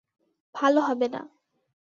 ভালো হবে না।